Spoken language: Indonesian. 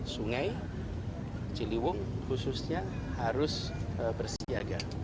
sungai ciliwung khususnya harus bersiaga